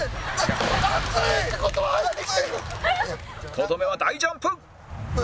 とどめは大ジャンプ！